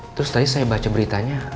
terus tadi saya baca beritanya